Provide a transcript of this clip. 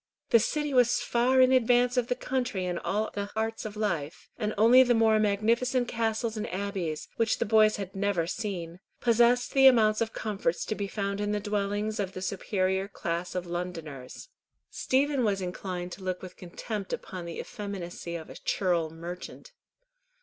The City was far in advance of the country in all the arts of life, and only the more magnificent castles and abbeys, which the boys had never seen, possessed the amount of comforts to be found in the dwellings of the superior class of Londoners. Stephen was inclined to look with contempt upon the effeminacy of a churl merchant.